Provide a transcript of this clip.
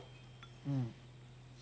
うん。